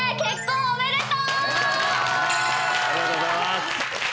ありがとうございます。